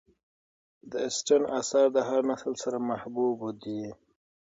د اسټن آثار د هر نسل سره محبوب دي.